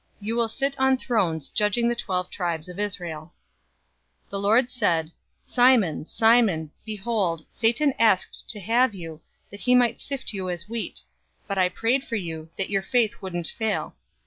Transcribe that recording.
You will sit on thrones, judging the twelve tribes of Israel." 022:031 The Lord said, "Simon, Simon, behold, Satan asked to have you, that he might sift you as wheat, 022:032 but I prayed for you, that your faith wouldn't fail.